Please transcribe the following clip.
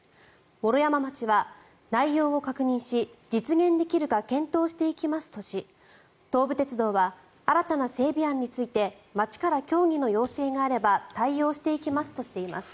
毛呂山町は内容を確認し実現できるか検討していきますとし東武鉄道は新たな整備案について町から協議の要請があれば対応していきますとしています。